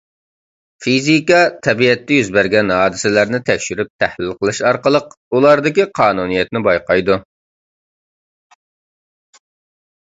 فىزىكا تەبىئەتتە يۈز بەرگەن ھادىسىلەرنى تەكشۈرۈپ تەھلىل قىلىش ئارقىلىق ئۇلاردىكى قانۇنىيەتنى بايقايدۇ.